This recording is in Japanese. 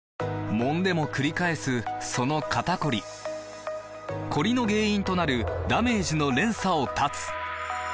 もんでもくり返すその肩こりコリの原因となるダメージの連鎖を断つ！